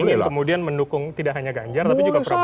ingin kemudian mendukung tidak hanya ganjar tapi juga prabowo